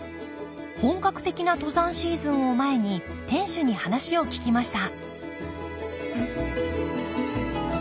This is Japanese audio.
本格的な登山シーズンを前に店主に話を聞きました